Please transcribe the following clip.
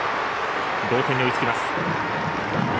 同点に追いつきます。